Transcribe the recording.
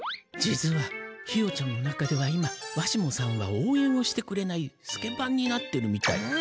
実はひよちゃんの中では今わしもさんはおうえんをしてくれないスケバンになってるみたい。